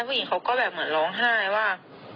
ผู้หญิงก็เหมือนร้องไห้ว่า